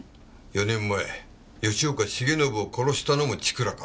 ４年前吉岡繁信を殺したのも千倉か？